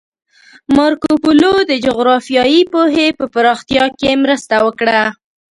مارکوپولو د جغرافیایي پوهې په پراختیا کې مرسته وکړه.